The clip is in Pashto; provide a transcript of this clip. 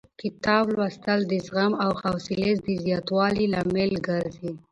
کتاب لوستل د زغم او حوصلې د زیاتوالي لامل ګرځي.